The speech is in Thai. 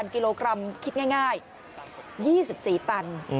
กิโลกรัมคิดง่าย๒๔ตัน